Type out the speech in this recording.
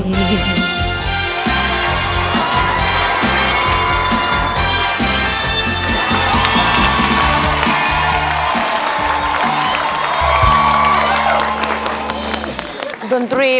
ไม่ใช้